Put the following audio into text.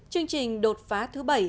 chương trình đột phá thứ bảy